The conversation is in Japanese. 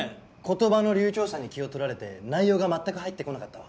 言葉の流暢さに気を取られて内容が全く入ってこなかったわ。